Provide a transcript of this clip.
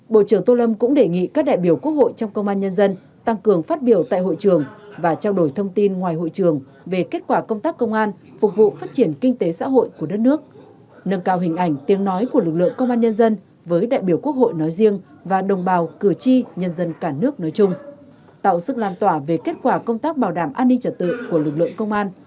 bộ trưởng tô lâm cũng đề nghị các đại biểu quốc hội trong công an nhân dân tăng cường phát biểu tại hội trường và trao đổi thông tin ngoài hội trường về kết quả công tác công an phục vụ phát triển kinh tế xã hội của đất nước nâng cao hình ảnh tiếng nói của lực lượng công an nhân dân với đại biểu quốc hội nói riêng và đồng bào cử tri nhân dân cả nước nói chung tạo sức lan tỏa về kết quả công tác bảo đảm an ninh trật tự của lực lượng công an